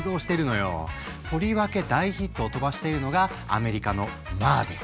とりわけ大ヒットを飛ばしているのがアメリカの「マーベル」。